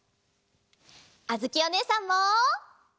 あづきおねえさんも。